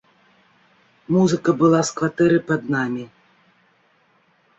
Музыка была з кватэры пад намі.